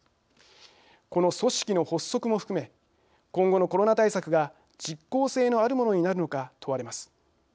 この組織の発足によって今後のコロナ対策が実効性のあるものになるのか問われます。